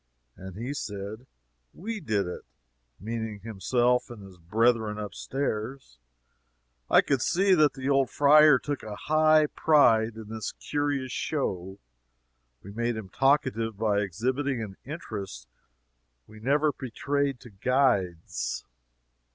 And he said, "We did it" meaning himself and his brethren up stairs. I could see that the old friar took a high pride in his curious show. We made him talkative by exhibiting an interest we never betrayed to guides.